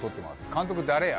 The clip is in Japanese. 「監督誰や？」